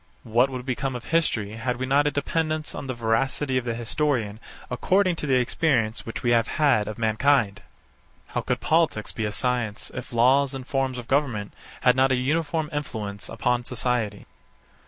What would become of history, had we not a dependence on the veracity of the historian according to the experience which we have had of mankind? How could politics be a science, if laws and forms of goverment had not a uniform influence upon society?